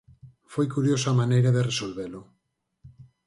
Foi curioso a maneira de resolvelo.